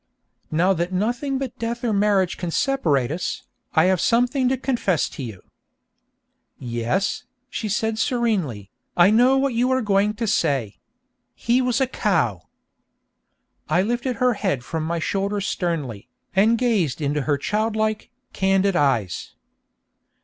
'Now that nothing but death or marriage can separate us, I have something to confess to you.' 'Yes,' she said serenely, 'I know what you are going to say. He was a cow.' I lifted her head from my shoulder sternly, and gazed into her childlike, candid eyes.